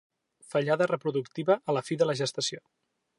Fallada reproductiva a la fi de la gestació.